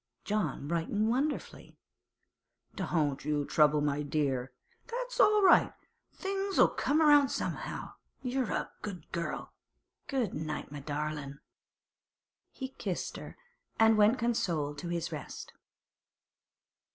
John brightened wonderfully. 'Don't you trouble, my dear. That's all right. Things'll come round somehow. You're a good girl. Good night, my darlin'!' He kissed her, and went consoled to his rest.